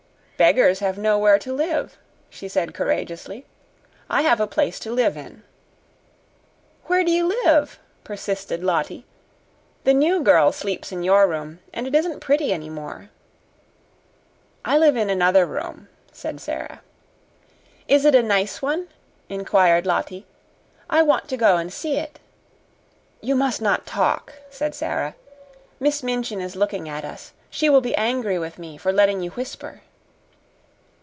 "Beggars have nowhere to live," she said courageously. "I have a place to live in." "Where do you live?" persisted Lottie. "The new girl sleeps in your room, and it isn't pretty any more." "I live in another room," said Sara. "Is it a nice one?" inquired Lottie. "I want to go and see it." "You must not talk," said Sara. "Miss Minchin is looking at us. She will be angry with me for letting you whisper."